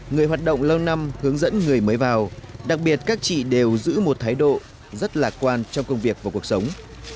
người hoạt động lâu năm hướng dẫn người mới vào đặc biệt các chị đều giữ một thái độ rất lạc quan trong công việc và cuộc sống